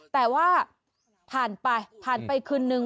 แต่ว่าผ่านไปผ่านไปคืนนึง